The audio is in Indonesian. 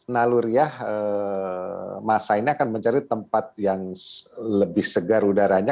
naluriah masa ini akan mencari tempat yang lebih segar udaranya